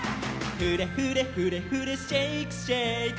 「フレフレフレフレシェイクシェイク」